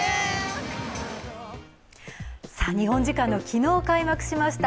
日本時間の昨日開幕しました